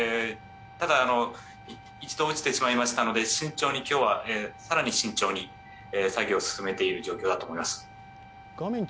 ただ、一度落ちてしまいましたので今日は更に慎重に、作業を進めている状況だと思います。